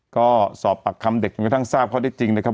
ก็สอบปากคำเด็กจนกระทั่งทราบข้อได้จริงนะครับ